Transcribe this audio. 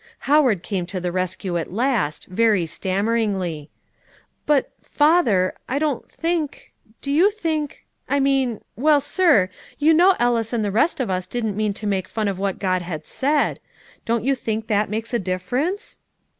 Howard came to the rescue at last, very stammeringly: "But, father I don't think do you think I mean well, sir, you know Ellis and the rest of us didn't mean to make fun of what God said. Don't you think that makes a difference?"